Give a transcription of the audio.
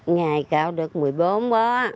ngày cạo đất một mươi bốn bố